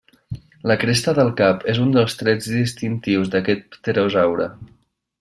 La cresta del cap és un dels trets distintius d'aquest pterosaure.